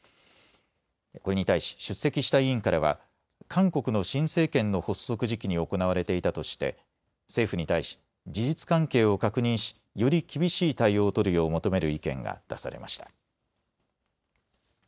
これに対し出席した委員からは韓国の新政権の発足時期に行われていたとして政府に対し事実関係を確認しより厳しい対応を取るよう求める意見が出されました。